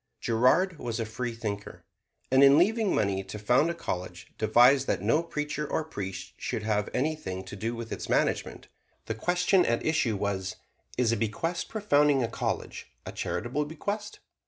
Girard was a freethinker, and in leaving money to found a college devised that no preacher or priest should have anything to do with its management. The question at issue was, "Is a bequest for founding a college a charitable bequest?"